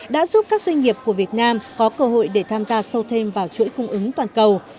đã giúp các doanh nghiệp của việt nam có cơ hội để tham gia sâu thêm vào chuỗi cung ứng toàn cầu